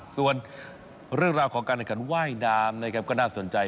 ส่วนเรื่องราวของการเนินการว่ายน้ำก็น่าสนใจ